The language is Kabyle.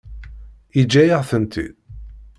Yeǧǧa-yaɣ-tent-id?